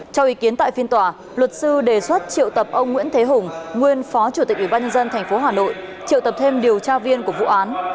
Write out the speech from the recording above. trong ý kiến tại phiên tòa luật sư đề xuất triệu tập ông nguyễn thế hùng nguyên phó chủ tịch ủy ban nhân dân tp hà nội triệu tập thêm điều tra viên của vụ án